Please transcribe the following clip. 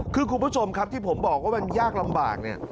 คือคุณผู้ชมครับที่ผมบอกว่ามันยากลำบากเนี่ย